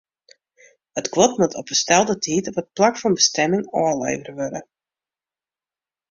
It guod moat op 'e stelde tiid op it plak fan bestimming ôflevere wurde.